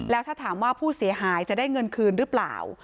แล้วถ้าถามว่าผู้เสียหายจะได้เงินคืนหรือเปล่า